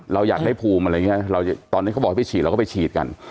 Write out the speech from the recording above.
เราอยากได้ภูมิอะไรอย่างนี้ตอนนี้เขาบอกให้ไปฉีดเราก็ไปฉีดกัน